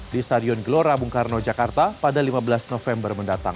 di stadion gelora bung karno jakarta pada lima belas november mendatang